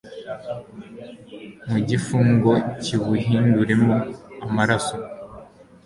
mu gifu ngo kiwuhinduremo amaraso